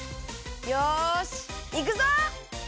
よしいくぞ！